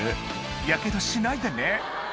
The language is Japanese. やけどしないでね